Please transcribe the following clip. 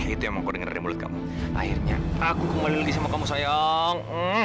itu yang aku dengar dari mulut kamu akhirnya aku kembali lagi sama kamu sayang